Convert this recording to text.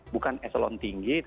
bukan eselon tinggi